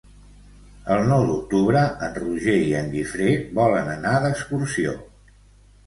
El nou d'octubre en Roger i en Guifré volen anar d'excursió.